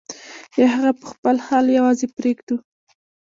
یا هغه په خپل حال یوازې پرېږدو.